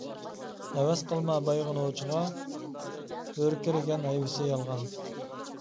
ھەۋەس قىلما بايغا-نوچىغا، ھۆركىرىگەن ھەيۋىسى يالغان.